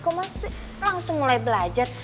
kok masih langsung mulai belajar